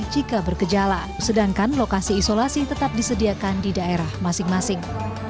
jika berkejala sedangkan lokasi isolasi tetap disediakan di daerah masing masing